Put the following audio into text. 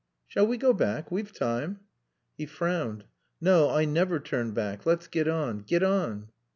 "Shall we go back? We've time." He frowned. "No. I never turn back. Let's get on. Get on."